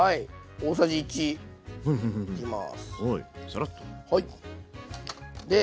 大さじ１入れます。